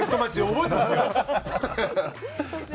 覚えてますよ。